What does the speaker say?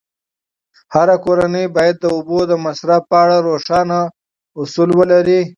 هره کورنۍ باید د اوبو د مصرف په اړه روښانه اصول ولري.